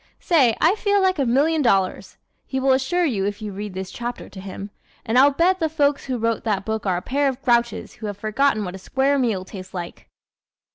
"Say, I feel like a million dollars!" he will assure you if you read this chapter to him. "And I'll bet the folks who wrote that book are a pair of grouches who have forgotten what a square meal tastes like!"